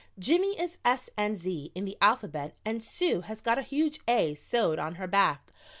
Jimmy is S and Z in the alphabet and Sue has got a huge A sewed on her back.